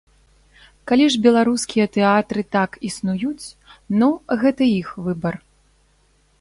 Калі ж беларускія тэатры так існуюць, ну, гэта іх выбар.